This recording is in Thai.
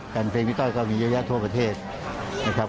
การเป็นพี่ต้อยก็มีอย่างแย่ทั่วประเทศนะครับ